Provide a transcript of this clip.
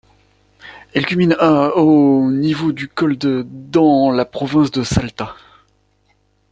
Elle culmine à au niveau du col d' dans la province de Salta.